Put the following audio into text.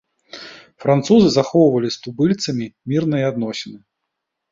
Французы захоўвалі з тубыльцамі мірныя адносіны.